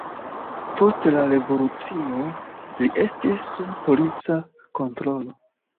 Post la Revolucio li estis sub polica kontrolo.